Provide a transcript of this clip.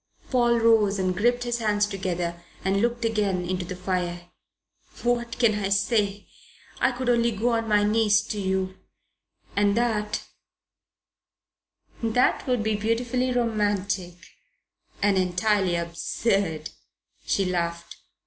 Paul rose and gripped his hands together and looked again into the fire. "What can I say? I could only go on my knees to you and that " "That would be beautifully romantic and entirely absurd," she laughed.